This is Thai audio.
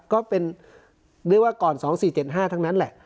ก็เป็นเรียกว่าก่อน๒๔๗๕ทั้งนั้นแหละ